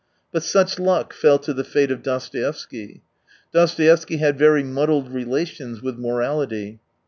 But such luck fell to the fate of Dostoevsky. Dostoevsky had very muddled relations with morality.